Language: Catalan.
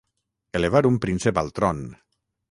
Elevar un príncep al tron.